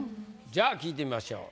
じゃあ聞いてみましょう。